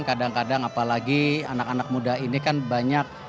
kadang kadang apalagi anak anak muda ini kan banyak